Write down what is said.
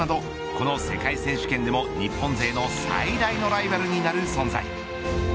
この世界選手権でも日本勢の最大のライバルになる存在。